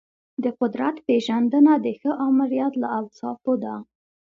د قدرت پیژندنه د ښه آمریت له اوصافو ده.